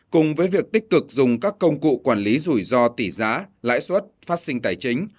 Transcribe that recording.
cùng với việc tích cực dùng các công cụ quản lý rủi ro tỷ giá lãi suất phát sinh tài chính